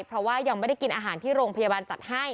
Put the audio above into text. เพราะว่ายังไม่ได้กินอาหารที่โรงพยาบาลจัดให้